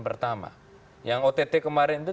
pertama yang ott kemarin itu